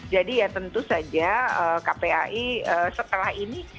jadi ya tentu saja kpai setelah ini